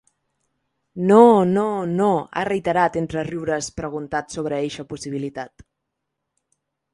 “No, no, no”, ha reiterat entre riures preguntat sobre eixa possibilitat.